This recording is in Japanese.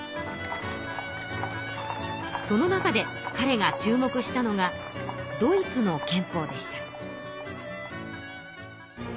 その中でかれが注目したのがドイツの憲法でした。